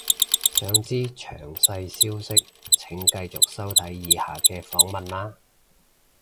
想知詳細消息請繼續收睇以下嘅訪問喇